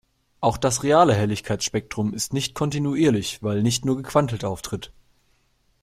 Auch das reale Helligkeitsspektrum ist nicht kontinuierlich, weil Licht nur gequantelt auftritt.